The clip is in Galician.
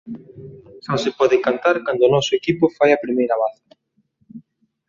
Só se pode cantar cando o noso equipo fai a primeira baza.